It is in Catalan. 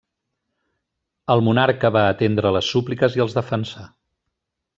El monarca va atendre les súpliques i els defensà.